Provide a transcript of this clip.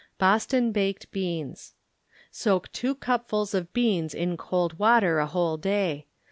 Boston Baked Beans Soak 2 cupfuls of beans in cold water a whole day.